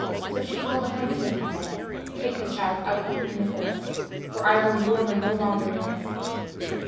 So she called a huntsman and said, "Take the child out in the forest, for I will endure her no longer in my sight.